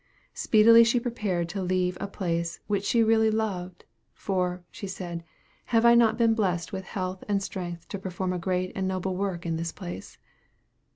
Speedily she prepared to leave a place which she really loved; "for," said she, "have I not been blessed with health and strength to perform a great and noble work in this place?"